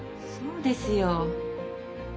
そうですよ。